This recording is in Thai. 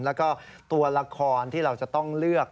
แล้วก็ตัวละครที่เราจะต้องเลือก